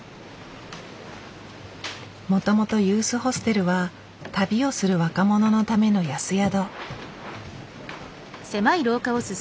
もともとユースホステルは旅をする若者のための安宿。